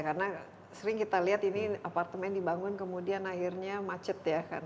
karena sering kita lihat ini apartemen dibangun kemudian akhirnya macet ya karena